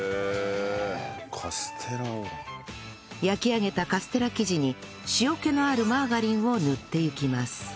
焼き上げたカステラ生地に塩気のあるマーガリンを塗っていきます